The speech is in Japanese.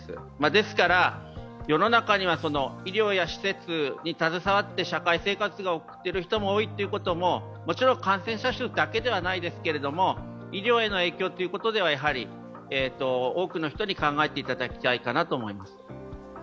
ですから、世の中には医療や施設に携わって社会生活を送っている人が多いことも、もちろん感染者数だけではないですけれども、医療への影響ということでは多くの人に考えていただきたいかなと思います。